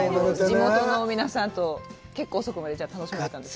地元の皆さんと結構遅くまで楽しまれたんですか。